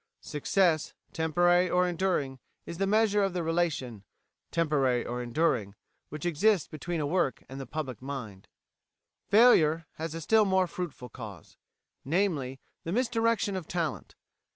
Success, temporary or enduring, is the measure of the relation, temporary or enduring, which exists between a work and the public mind."[167:A] Failure has a still more fruitful cause namely, the misdirection of talent.